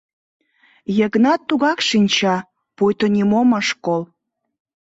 Йыгнат тугак шинча, пуйто нимом ыш кол.